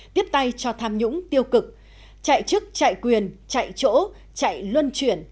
tiếp tay cho tham nhũng tiêu cực chạy chức chạy quyền chạy chỗ chạy luân chuyển